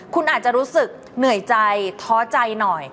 คุณอาจจะรู้สึกเหนื่อยใจท้อใจหน่อย